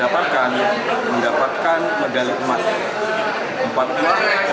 pada world kaikai kali ini kita bisa menjeliti urut kedua